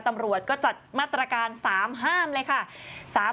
ตำรวจก็จัดมาตรการ๓ห้ามเลยค่ะ